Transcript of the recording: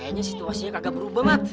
kayaknya situasinya kagak berubah mat